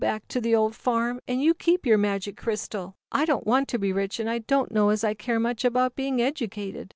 back to the old farm, and you keep your Magic Crystal. I don't want to be rich, and I don't know as I care much about being educated.